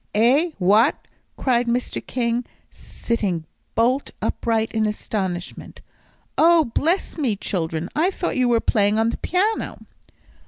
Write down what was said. "Eh what?" cried Mr. King, sitting bolt upright in astonishment. "Oh, bless me, children, I thought you were playing on the piano."